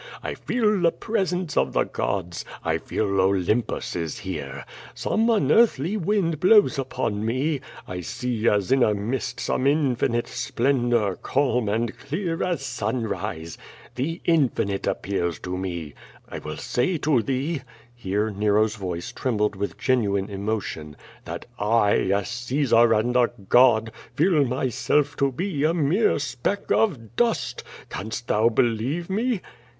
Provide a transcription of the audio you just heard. I feel the presence of the gods; I feel Olympus is here. Some unearthly wind blows upon me. I see as in a mist some in finite splendor, calm and clear as sunrise. The Infinite ap pears to me. I will say to thee" (here Nero's voice trembled with genuine emotion) "that I, a Caesar and a god, feel my self to be a mere speck of dust. Canst thou believe me?"